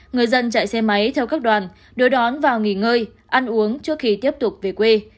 người dân chạy xe máy theo các đoàn đối đoán vào nghỉ ngơi ăn uống trước khi tiếp tục về quê